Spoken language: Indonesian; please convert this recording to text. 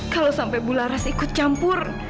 kalau sampai bu laras ikut campur